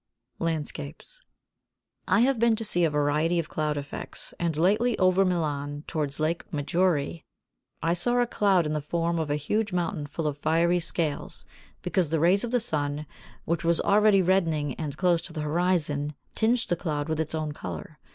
[Sidenote: Landscapes] 81. I have been to see a variety of cloud effects, and lately over Milan towards Lake Maggiore I saw a cloud in the form of a huge mountain full of fiery scales, because the rays of the sun, which was already reddening and close to the horizon, tinged the cloud with its own colour.